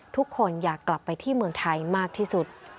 ทุกคนอยากกลับไปที่เมืองไทยมากที่สุด